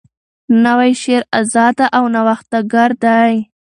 نوی شعر آزاده او نوښتګر دی.